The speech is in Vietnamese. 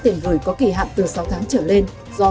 tiền gửi có kỳ hạn từ sáu tháng trở lên do